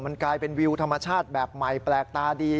มันกลายเป็นวิวธรรมชาติแบบใหม่แปลกตาดี